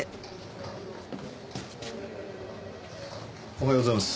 おはようございます。